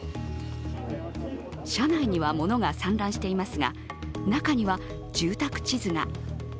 車内には物が散乱していますが、中には住宅地図が。